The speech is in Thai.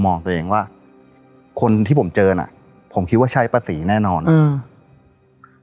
ตัวเองว่าคนที่ผมเจอน่ะผมคิดว่าใช่ป้าตีแน่นอนอืม